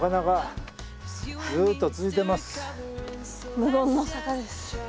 無言の坂です。